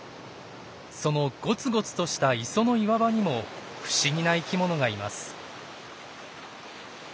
そのゴツゴツとした磯の岩場にも不思議な生きものがいます。